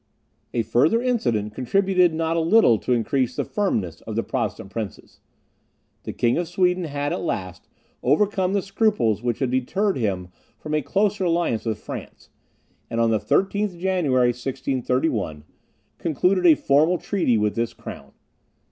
A further incident contributed not a little to increase the firmness of the Protestant princes. The King of Sweden had, at last, overcome the scruples which had deterred him from a closer alliance with France, and, on the 13th January 1631, concluded a formal treaty with this crown.